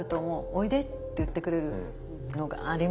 おいでって言ってくれるのがありました。